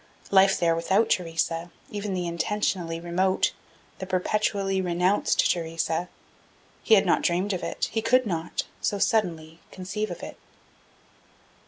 Life there without Theresa, even the intentionally remote, the perpetually renounced Theresa he had not dreamed of it, he could not, so suddenly, conceive of it.